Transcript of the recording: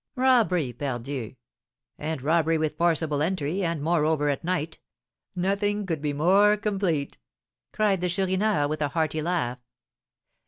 "Robbery, pardieu! And robbery with forcible entry, and moreover at night; nothing could be more complete!" cried the Chourineur, with a hearty laugh.